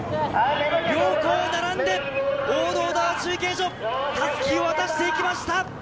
両校並んで小田原中継所、襷を渡していきました。